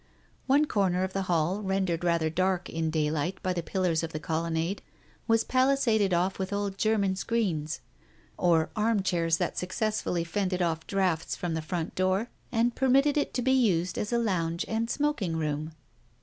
One corner of the hall, rendered rather dark in daylight by the pillars of the colonnade, was palisaded off with old German screens, or arm chairs that successfully fended off draughts from the front door, and permitted it to be used as a lounge and smoking room.